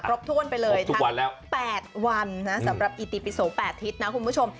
ครบทวนไปเลยครบทุกวันแล้วแปดวันนะสำหรับอีติปิโสแปดทิศนะคุณผู้ชม